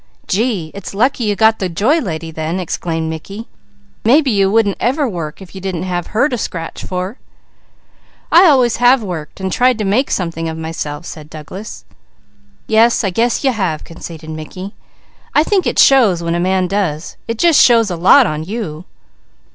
"Gee! It's lucky you got the Joy Lady then!" exclaimed Mickey. "Maybe you wouldn't ever work if you didn't have her to scratch for!" "I always have worked and tried to make something of myself," said Douglas. "Yes, I guess you have," conceded Mickey. "I think it shows when a man does. It just shows a lot on you."